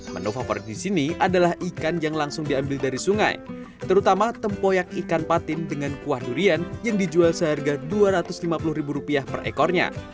menu favorit di sini adalah ikan yang langsung diambil dari sungai terutama tempoyak ikan patin dengan kuah durian yang dijual seharga dua ratus lima puluh ribu rupiah per ekornya